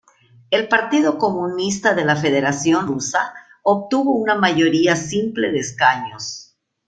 El Partido Comunista de la Federación Rusa obtuvo una mayoría simple de escaños.